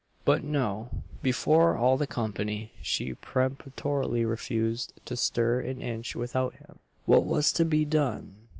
But no before all the company she peremptorily refused to stir an inch without him! What was to be done?